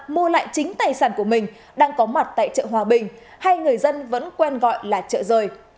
mua lại chính tài sản của mình đang có mặt tại chợ hòa bình hay người dân vẫn quen gọi là chợ rời